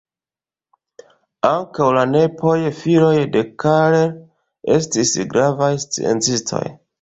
Ankaŭ la nepoj, filoj de Karel, estis gravaj sciencistoj.